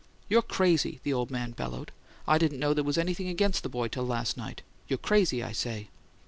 "You're crazy!" the old man bellowed. "I didn't know there was anything against the boy till last night. You're CRAZY, I say!"